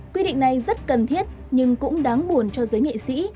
quy định này rất cần thiết nhưng cũng đáng buồn cho giới nghệ sĩ